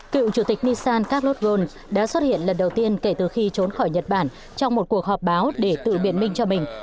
cựu chủ tịch nissan carlos gon đã xuất hiện lần đầu tiên kể từ khi trốn khỏi nhật bản trong một cuộc họp báo để tự biện minh cho mình